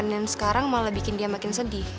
nelfon yang sekarang malah bikin dia makin sedih